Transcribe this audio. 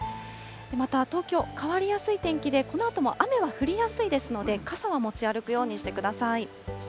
また東京、変わりやすい天気で、このあとも雨は降りやすいですので、傘は持ち歩くようにしてください。